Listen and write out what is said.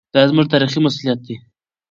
دا زموږ تاریخي مسوولیت دی.